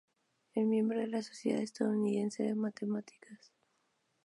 Es miembro de la Sociedad Estadounidense de Matemática.